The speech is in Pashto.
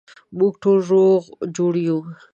موږ ټوله روغ جوړ یو